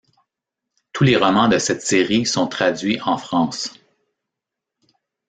Tous les romans de cette série sont traduits en France.